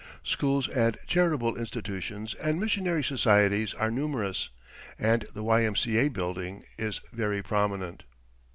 Schools and charitable institutions and missionary societies are numerous, and the Y. M. C. A. building is very prominent.